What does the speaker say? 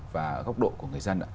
và góc độ của người dân